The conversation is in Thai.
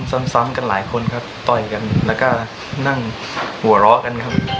ซ้ำกันหลายคนครับต่อยกันแล้วก็นั่งหัวเราะกันครับ